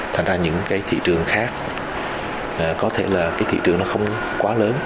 thành ra những thị trường khác có thể là thị trường nó không quá lớn